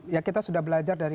ya kita sudah belajar dari